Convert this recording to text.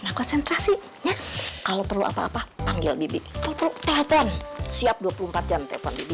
nah konsentrasi kalau perlu apa apa panggil bibit telpon siap dua puluh empat jam telepon ya oke di